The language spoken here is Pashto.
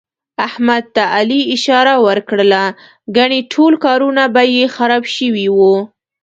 احمد ته علي اشاره ور کړله، ګني ټول کارونه به یې خراب شوي وو.